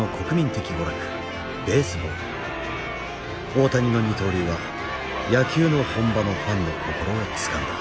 大谷の二刀流は野球の本場のファンの心をつかんだ。